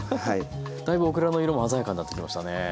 だいぶオクラの色も鮮やかになってきましたねえ。